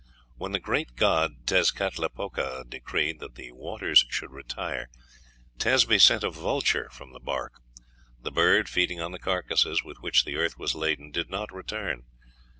When the great god Tezcatlipoca decreed that the waters should retire, Tezpi sent a vulture from the bark. The bird, feeding on the carcasses with which the earth was laden, did not return.